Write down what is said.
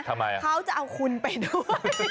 เขาจะจะเอาคุณไปด้วย